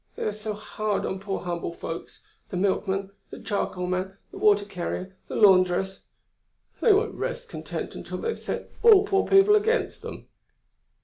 They are so hard on poor humble folks, the milkman, the charcoalman, the water carrier, the laundress. They won't rest content till they've set all poor people against them."